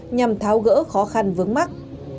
nhằm tháo gỡ khó khăn vướng mắt